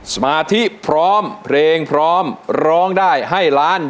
สมาธิพร้อมเพลงพร้อมร้องได้ให้ล้าน